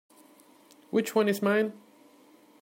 Which one is mine?